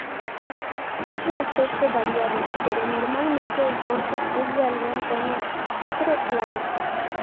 Es de aspecto variable, pero normalmente el dorso es de algún tono ocre claro.